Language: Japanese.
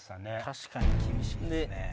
確かに厳しいっすね。